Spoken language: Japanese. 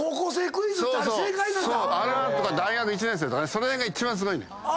その辺が一番すごいんだよ。